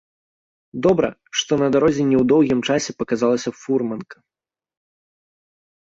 Добра, што на дарозе не ў доўгім часе паказалася фурманка.